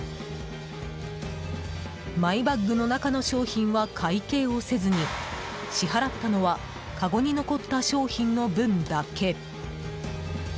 マイバッグの中の商品は会計をせずに支払ったのはかごに残った商品の分だけ。